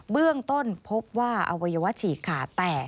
เบื้องต้นพบว่าอวัยวะฉีกขาแตก